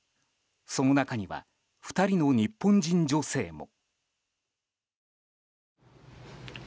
その中には２人の日本人女性も。